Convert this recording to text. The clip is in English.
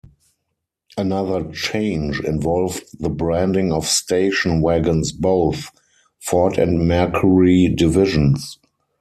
Another change involved the branding of station wagons both Ford and Mercury divisions.